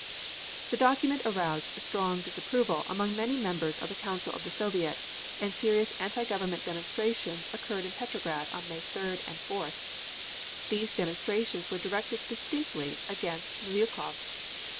The document aroused strong disapproval among many members of the Council of the Soviet, and serious anti government demonstrations occurred in Petrograd on May 3d and 4th. These demonstrations were directed distinctly against Miliukov.